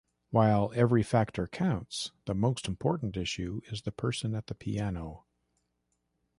While every factor counts, the most important issue is the person at the piano.